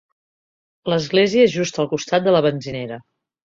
L'església és just al costat de la benzinera.